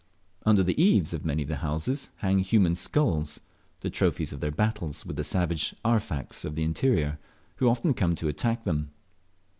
Under the eaves of many of the houses hang human skulls, the trophies of their battles with the savage Arfaks of the interior, who often come to attack them.